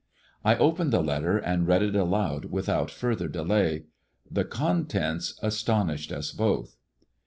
I opened the letter and read it aloud without further delay. The contents astonished us both.